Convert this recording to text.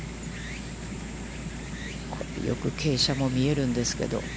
よく傾斜も見えるんですけれども。